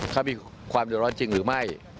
เขามีความเดือดร้อนจริงหรือไม่